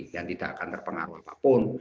yang tidak akan terpengaruh apapun